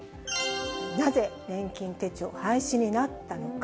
なぜ年金手帳、廃止になったのか。